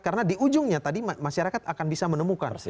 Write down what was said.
karena di ujungnya tadi masyarakat akan bisa menemukan